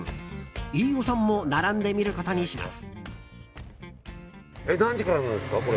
飯尾さんも並んでみることにします。